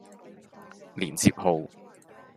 連接號